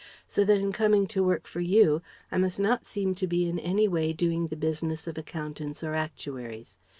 So that in coming to work for you I must not seem to be in any way doing the business of Accountants or Actuaries.